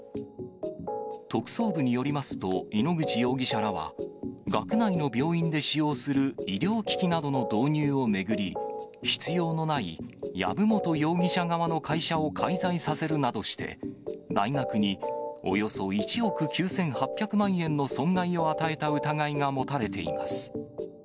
特捜部によりますと、井ノ口容疑者らは、学内の病院で使用する医療機器などの導入を巡り、必要のない籔本容疑者側の会社を介在させるなどして、大学におよそ１億９８００万円の損害を与えた疑いが持たれています。